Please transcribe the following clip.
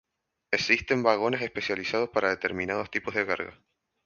Existen vagones especializados para determinados tipos de carga.